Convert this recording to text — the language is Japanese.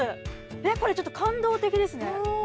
これちょっと感動的ですね